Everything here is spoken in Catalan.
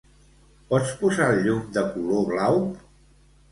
Pots posar el llum de color blau?